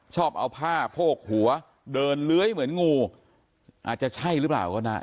ชอบเอาผ้าโพกหัวเดินเลื้อยเหมือนงูอาจจะใช่หรือเปล่าก็นะ